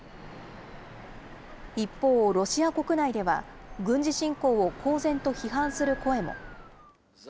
一方、ロシア国内では軍事侵攻を公然と批判する声も。